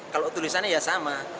kalau tulisannya ya sama